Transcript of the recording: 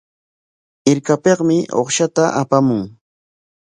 Hirkapikmi uqshta apamun.